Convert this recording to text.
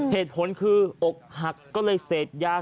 เหตุผลคืออกหักก็เลยเสพยา